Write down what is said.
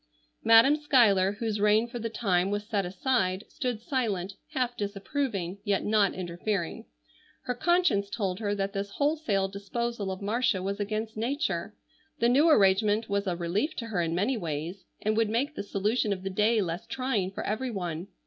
Madam Schuyler, whose reign for the time was set aside, stood silent, half disapproving, yet not interfering. Her conscience told her that this wholesale disposal of Marcia was against nature. The new arrangement was a relief to her in many ways, and would make the solution of the day less trying for every one.